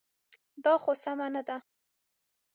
دا خو سمه نه ده.